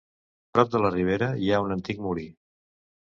Prop de la ribera hi ha un antic molí.